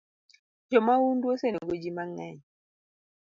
Jo maundu osenego jii mangeny